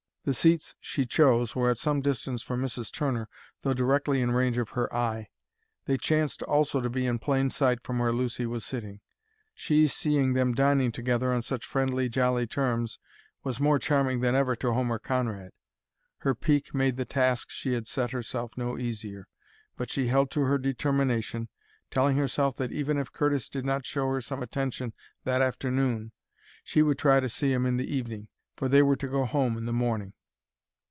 The seats she chose were at some distance from Mrs. Turner, though directly in range of her eye. They chanced also to be in plain sight from where Lucy was sitting. She, seeing them dining together on such friendly, jolly terms, was more charming than ever to Homer Conrad. Her pique made the task she had set herself no easier; but she held to her determination, telling herself that, even if Curtis did not show her some attention that afternoon, she would try to see him in the evening. For they were to go home in the morning.